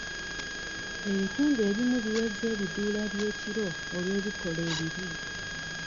Ebitundu ebimu biweze ebiduula by'ekiro olw'ebikola ebibi.